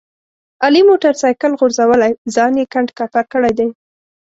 علي موټر سایکل غورځولی ځان یې کنډ کپر کړی دی.